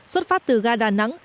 xuất phát từ ga đà nẵng